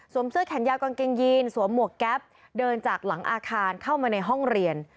เสื้อแขนยาวกางเกงยีนสวมหมวกแก๊ปเดินจากหลังอาคารเข้ามาในห้องเรียน